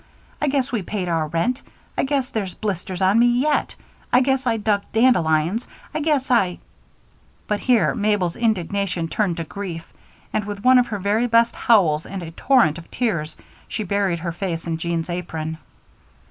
I guess we paid our rent I guess there's blisters on me yet I guess I dug dandelions I guess I " But here Mabel's indignation turned to grief, and with one of her very best howls and a torrent of tears she buried her face in Jean's apron.